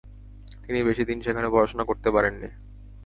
তিনি বেশি দিন সেখানে পড়াশুনা করতে পারেননি।